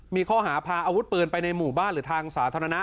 มีข้อหาพาอาวุธปืนไปในหมู่บ้านหรือทางสาธารณะ